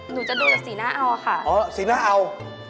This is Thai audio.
หนูจะดูแต่สีหน้าเอาค่ะอ๋อสีหน้าเอา